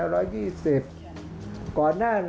ภาคอีสานแห้งแรง